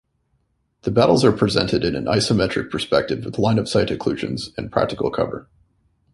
The battles are presented in an isometric perspective with line-of-sight occlusions and practical cover.